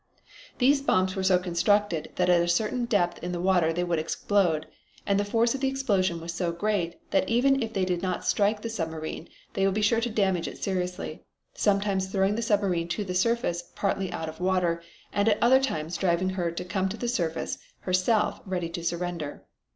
These bombs were so constructed that at a certain depth in the water they would explode, and the force of the explosion was so great that even if they did not strike the submarine they would be sure to damage it seriously, sometimes throwing the submarine to the surface partly out of water, and at other times driving her to come to the surface herself ready to surrender.